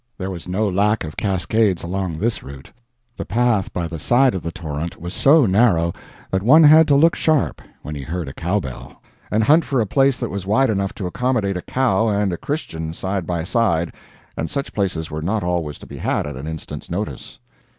There was no lack of cascades along this route. The path by the side of the torrent was so narrow that one had to look sharp, when he heard a cow bell, and hunt for a place that was wide enough to accommodate a cow and a Christian side by side, and such places were not always to be had at an instant's notice.